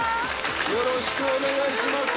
よろしくお願いします